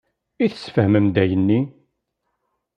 I tesfehmem-d ayenni?